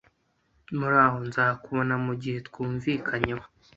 Muraho. Nzakubona mugihe twumvikanyeho